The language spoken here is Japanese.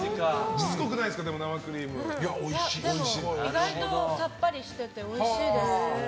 意外とさっぱりしてておいしいです。